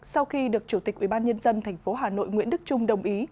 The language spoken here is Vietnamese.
sau khi được chủ tịch ủy ban nhân dân thành phố hà nội nguyễn đức trung đồng ý